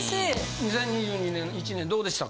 ２０２２年１年どうでしたか？